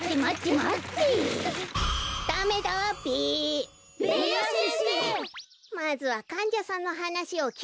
まずはかんじゃさんのはなしをきくべきなんだわ。